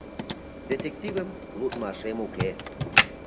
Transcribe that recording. — Детективым лӱдмашем уке...